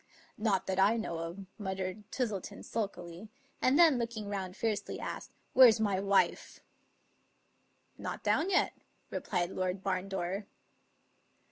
"" Not that I know of," muttered Twistleton sulkily; and then, looking round fiercely, asked, "Where's my wife?" " Not down yet," replied Lord Barndore.